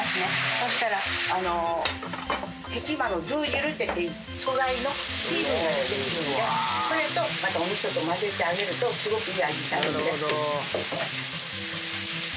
そしたらヘチマのドゥー汁っていって素材の水分が出てくるんでこれとお味噌とまぜてあげるとすごくいい味になるんで。